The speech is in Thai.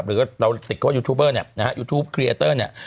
หรือว่าเราติดโค้ยูทูบเบอร์เนี่ยนะฮะยูทูปเคลียร์เตอร์เนี่ย